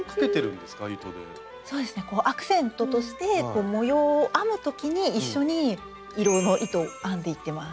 そうですねアクセントとして模様を編む時に一緒に色の糸を編んでいってます。